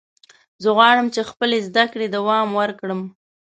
زه غواړم چې خپلې زده کړې دوام ورکړم.